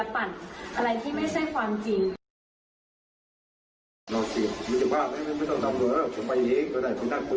มันสามารถหุ่นสวบใจแล้วกัน